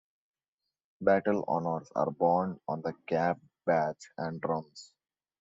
Battle honours are borne on the cap badge and drums.